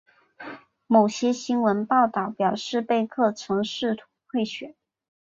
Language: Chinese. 某些新闻报道表示贝克曾试图贿选。